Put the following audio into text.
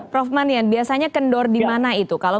prof manian biasanya kendor di mana itu